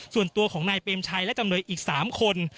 ส่วนตัวของนายเปรมชัยและจำเลยอีก๓คน